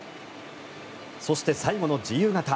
そして、最後の自由形。